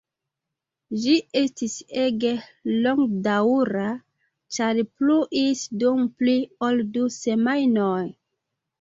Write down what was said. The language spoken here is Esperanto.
Ĝi estis ege longdaŭra ĉar pluis dum pli ol du semajnoj.